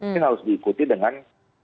ini harus diikuti dengan